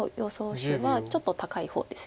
手はちょっと高い方ですよね。